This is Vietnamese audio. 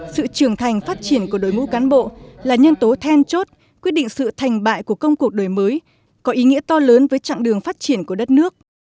sự trưởng thành phát triển của đội ngũ cán bộ là nhân tố then chốt quyết định sự thành bại của công cuộc đổi mới có ý nghĩa to lớn với trạng đường phát triển của đất nước